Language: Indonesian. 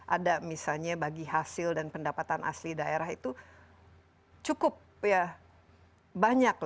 ada misalnya bagi hasil dan pendapatan asli daerah itu cukup banyak